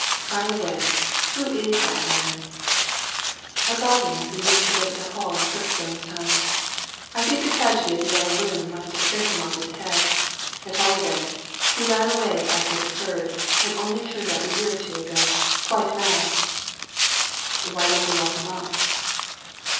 By the way, who is that man ?"" A gardener who used to live at the Hall in Kirk stone's time. I think the tragedy of the Yellow Room must have sent him off his head. At all events, he ran away after it occurred, and only turned up a year or two ago, quite mad," Digitized by Google THE DIAMOND NECKLACE 125 *' Why didn't they lock him up